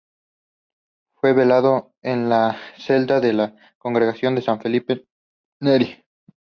Fue velado en una celda de la congregación de San Felipe Nery.